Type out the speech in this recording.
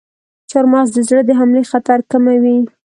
چارمغز د زړه د حملې خطر کموي.